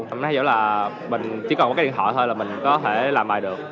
mình thấy dễ là mình chỉ cần có cái điện thoại thôi là mình có thể làm bài được